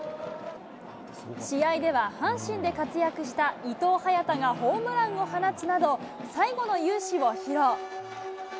試合では、阪神で活躍した伊藤隼太がホームランを放つなど、最後の雄姿を披露。